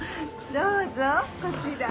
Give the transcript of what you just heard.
どうぞこちら。